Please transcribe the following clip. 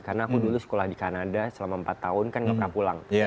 karena aku dulu sekolah di kanada selama empat tahun kan gak pernah pulang